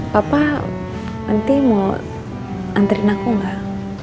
papa nanti mau antriin aku nggak